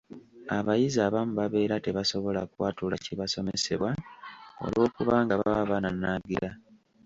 Abayizi abamu babeera tebasobola kwatula kibasomesebwa olw’okubanga baba bananaagira.